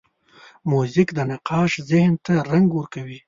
موزیک د نقاش ذهن ته رنګ ورکوي.